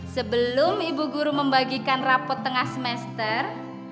sebelum ibu guru membagikan rapot tengah semester